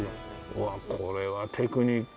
うわこれはテクニック。